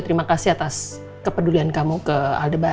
ini gak sampai nih